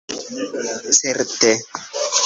certe